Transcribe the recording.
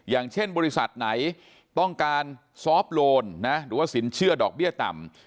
อย่างเช่นบริษัทไหนต้องการซอฟต์โลนหรือว่าสินเชื่อดอกเบี้ยต่ำ